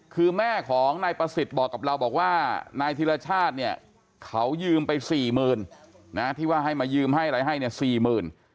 คือแม่ของนายประสิทธิ์บอกกับเราบอกว่านายธิรชาติเนี่ยเขายืมไปสี่หมื่นนะที่ว่าให้มายืมให้อะไรให้เนี่ยสี่หมื่น